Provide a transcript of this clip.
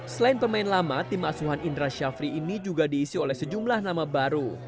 selain pemain lama tim asuhan indra syafri ini juga diisi oleh sejumlah nama baru